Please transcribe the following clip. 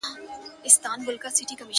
هر یوه وه را اخیستي تومنونه-